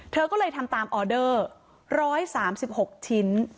เธอก็เลยทำตามออเดอร์๑๓๖ชิ้น